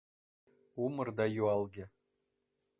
Умыр да юалге.